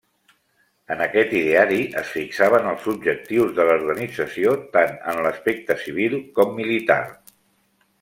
En aquest ideari es fixaven els objectius de l'organització tant en l'aspecte civil com militar.